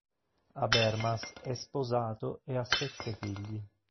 Habermas è sposato e ha sette figli.